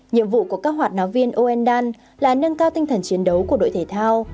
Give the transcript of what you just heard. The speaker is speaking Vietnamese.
nhiệm vụ của các hoạt náo viên oendan là nâng cao tinh thần chiến đấu của đội thể thao